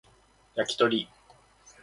焼き鳥